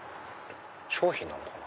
商品なのかな？